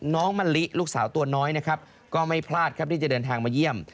มะลิลูกสาวตัวน้อยนะครับก็ไม่พลาดครับที่จะเดินทางมาเยี่ยม